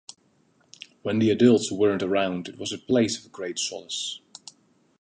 When the adults weren't around it was a place of great solace.